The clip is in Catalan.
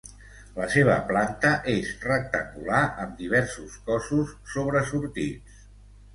La seva planta és rectangular amb diversos cossos sobresortits.